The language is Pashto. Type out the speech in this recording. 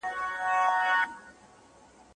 چي که مړ سوم زه به څرنګه یادېږم؟